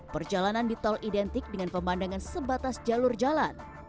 perjalanan di tol identik dengan pemandangan sebatas jalur jalan